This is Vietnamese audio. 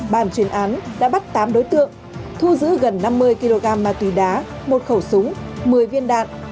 bàn chuyên án đã bắt tám đối tượng thu giữ gần năm mươi kg ma túy đá một khẩu súng một mươi viên đạn